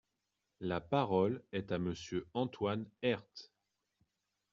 La parole est à Monsieur Antoine Herth.